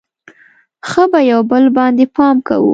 ښه به یو بل باندې پام کوو.